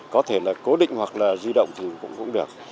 có thể là cố định hoặc là di động thì cũng được